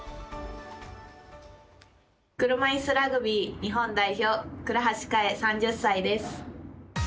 車いすラグビー日本代表倉橋香衣、３０歳です。